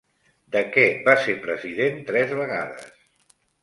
De què va ser president tres vegades?